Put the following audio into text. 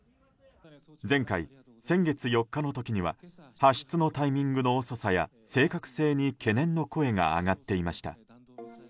前回、先月４日の時には発出のタイミングの遅さや正確性に懸念の声が上がっていました。